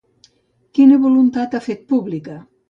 Quina voluntat ha fet pública?